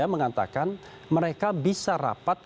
mengatakan mereka bisa rapat